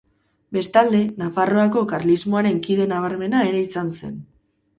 Bestalde, Nafarroako karlismoaren kide nabarmena ere izan zen.